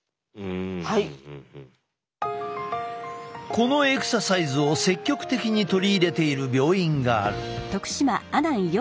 このエクササイズを積極的に取り入れている病院がある。